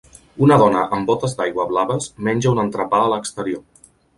Una dona amb botes d'aigua blaves menja un entrepà a l'exterior.